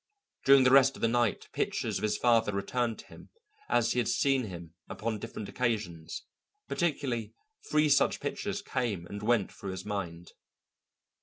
During the rest of the night pictures of his father returned to him as he had seen him upon different occasions, particularly three such pictures came and went through his mind.